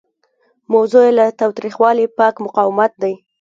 موضوع یې له تاوتریخوالي پاک مقاومت دی.